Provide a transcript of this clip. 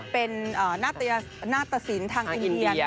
เป็นหน้าตสินทางอินเดีย